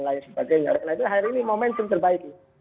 lain sebagainya karena itu hari ini momentum terbaik